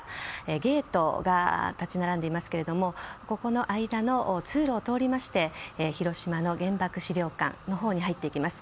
ゲートが立ち並んでいますがここの間の通路を通りまして広島の原爆資料館のほうに入っていきます。